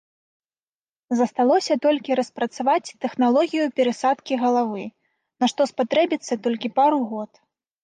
Засталося толькі распрацаваць тэхналогію перасадкі галавы, на што спатрэбіцца толькі пару год.